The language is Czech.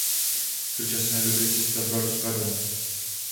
V současné době se stavba rozpadá.